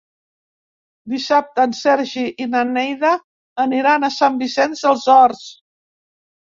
Dissabte en Sergi i na Neida aniran a Sant Vicenç dels Horts.